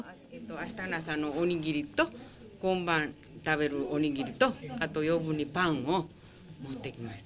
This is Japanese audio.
あしたの朝のお握りと、今晩食べるお握りと、あと余分にパンを持ってきました。